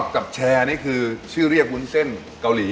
กับแชร์นี่คือชื่อเรียกวุ้นเส้นเกาหลี